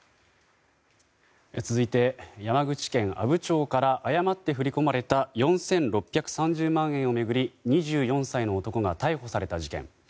続いて、山口県阿武町から誤って振り込まれた４６３０万円を巡り２４歳の男が逮捕された事件。